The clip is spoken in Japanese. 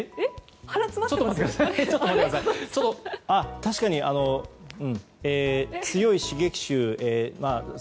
確かに、強い刺激臭。